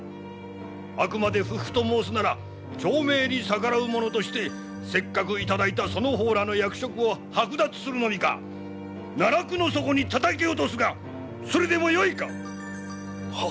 あくまで不服と申すなら朝命に逆らう者としてせっかく頂いたその方らの役職を剥奪するのみか奈落の底にたたき落とすがそれでもよいか！は。